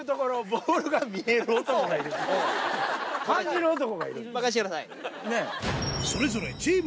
感じる男がいる。